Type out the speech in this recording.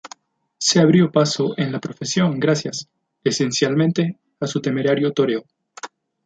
Se abrió paso en la profesión gracias, esencialmente, a su temerario toreo.